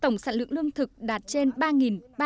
tổng sản lượng lương thực đạt trên ba ba trăm một mươi bảy tấn